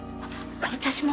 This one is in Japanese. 私も！